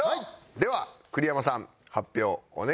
では栗山さん発表お願いします。